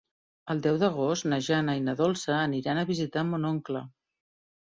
El deu d'agost na Jana i na Dolça aniran a visitar mon oncle.